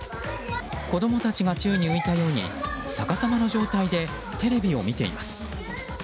子供たちが宙に浮いたように逆さまの状態でテレビを見ています。